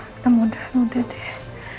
mudah mudahan udah deh